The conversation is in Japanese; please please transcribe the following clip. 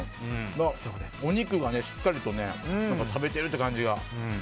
お肉がしっかりと食べているという感じが。